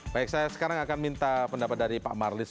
baik saya sekarang akan minta pendapat dari pak marlis